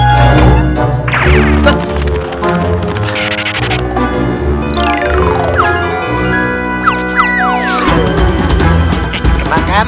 eh kena kan